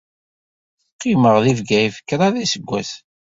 Qqimeɣ di Bgayet kraḍ iseggasen.